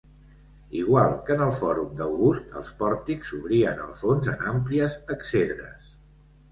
Igual que en el Fòrum d'August, els pòrtics s'obrien al fons en àmplies exedres.